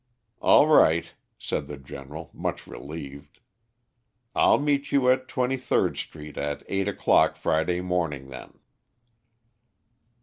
"All right," said the General, much relieved. "I'll meet you at Twenty third Street at eight o'clock Friday morning, then."